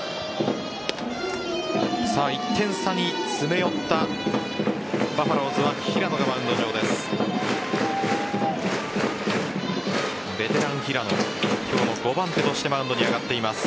１点差に詰め寄ったバファローズは平野がマウンド上です。